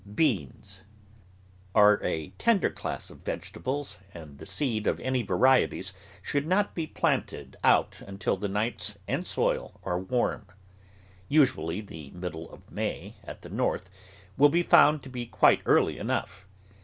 BEANS Are a tender class of vegetables, and the seed of any varieties should not be planted out until the nights [ 104 ] THE GROWING OF VARIOUS VEGETABLES and soil are warm. Usually the middle of 'May, at the North, will be found to be quite early enough.